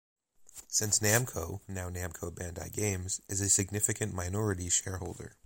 Since Namco, now Namco Bandai Games is a significant minority shareholder.